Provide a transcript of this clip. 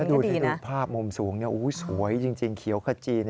ถ้าดูภาพมมสูงนี่สวยจริงเขียวขจีน